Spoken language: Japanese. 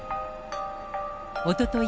おととい